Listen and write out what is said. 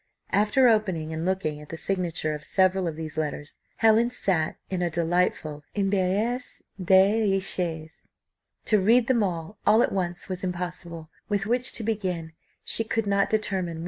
After opening and looking at the signature of several of these letters, Helen sat in a delightful embarras de richesse. To read them all all at once, was impossible; with which to begin, she could not determine.